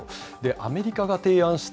アメリカが提案して、